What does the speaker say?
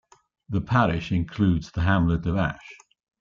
The parish includes the hamlet of Ash.